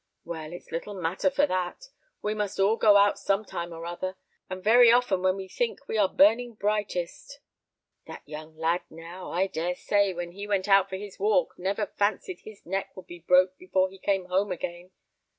Well, it's little matter for that; we must all go out some time or another, and very often when we think we are burning brightest. That young lad now, I dare say, when he went out for his walk, never fancied his neck would be broke before he came home again.